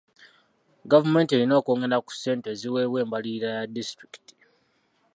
Gavumenti erina okwongera ku ssente eziweebwa embalirira ya disitulikiti.